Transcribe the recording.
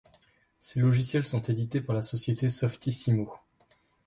Ces logiciels sont édités par la société Softissimo.